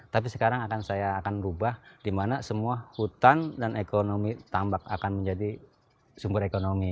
tapi sekarang akan saya akan ubah dimana semua hutan dan ekonomi tambak akan menjadi sumber ekonomi